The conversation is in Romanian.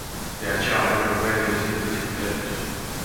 De aceea avem nevoie de instituții puternice.